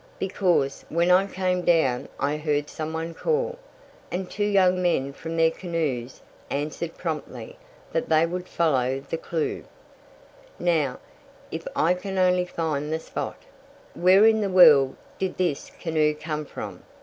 "Because, when I came down I heard some one call, and two young men from their canoes answered promptly that they would follow the clew. Now, if I can only find the spot " "Where in the world did this canoe come from?"